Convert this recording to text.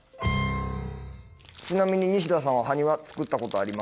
ちなみに西田さんはハニワ作ったことありますか？